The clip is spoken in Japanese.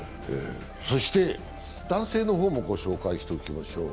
そして男性の方もご紹介しておきましょう。